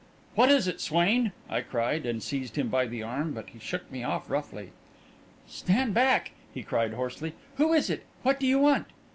"What is it, Swain?" I cried, and seized him by the arm; but he shook me off roughly. "Stand back!" he cried, hoarsely. "Who is it? What do you want?"